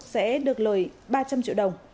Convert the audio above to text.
sẽ được lời ba trăm linh triệu đồng